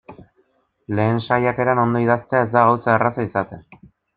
Lehen saiakeran ondo idaztea ez da gauza erraza izaten.